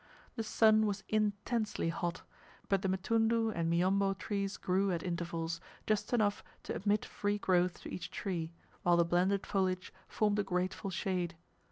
The sun was intensely hot; but the mtundu and miombo trees grew at intervals, just enough to admit free growth to each tree, while the blended foliage formed a grateful shade.